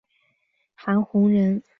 韩弘人。